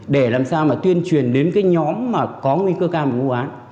để làm sao mà tuyên truyền đến nhóm có nguy cơ cao bằng vụ án